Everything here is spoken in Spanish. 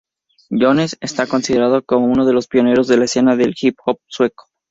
Jones está considerado como uno de los pioneros de la escena del hip-hop sueco.